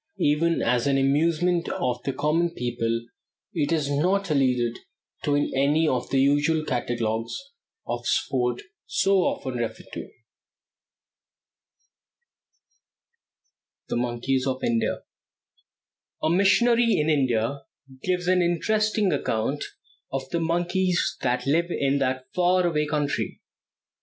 Even as an amusement of the common people it is not alluded to in any of the usual catalogues of sport so often referred to. THE MONKEYS OF INDIA. A missionary in India gives an interesting account of the monkeys that live in that far away country.